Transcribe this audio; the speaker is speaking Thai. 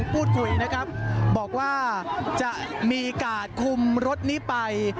พูดคุยนะครับบอกว่าจะมีการคุมรถนี้ไป